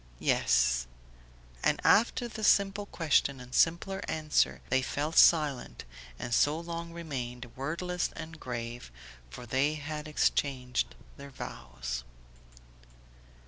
"Yes." And after the simple question and simpler answer they fell silent and so long remained, wordless and grave, for they had exchanged their vows.